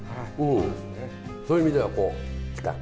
そういう意味ではこう近く。